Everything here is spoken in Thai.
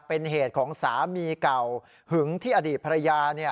เป็นเหตุของสามีเก่าหึงที่อดีตภรรยา